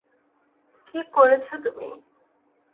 কী করেছ তুমি?